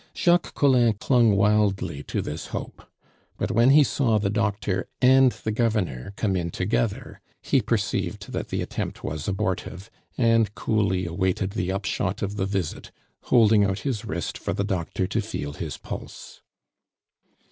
Jacques Collin clung wildly to this hope; but when he saw the doctor and the governor come in together, he perceived that the attempt was abortive, and coolly awaited the upshot of the visit, holding out his wrist for the doctor to feel his pulse.